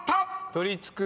「取り付く」